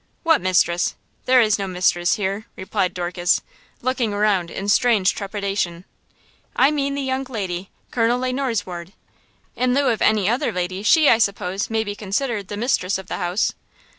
"What mistress? There is no mistress here!" replied Dorcas, looking around in strange trepidation. "I mean the young lady, Colonel Le Noir's ward. In lieu of any other lady, she, I suppose, may be considered the mistress of the house!"